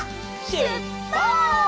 しゅっぱつ！